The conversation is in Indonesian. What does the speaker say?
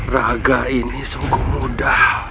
raga ini sungguh mudah